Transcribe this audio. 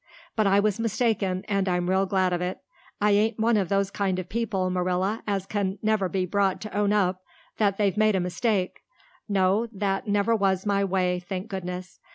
But I was mistaken and I'm real glad of it. I ain't one of those kind of people, Marilla, as can never be brought to own up that they've made a mistake. No, that never was my way, thank goodness.